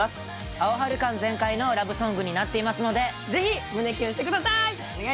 アオハル感全開のラブソングになっていますので是非胸キュンしてください